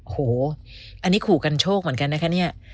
โอ้โหอันนี้ขู่กันโชคเหมือนกันนะคะเนี่ย